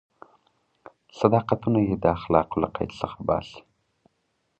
صداقتونه یې له اخلاقو له قید څخه باسي.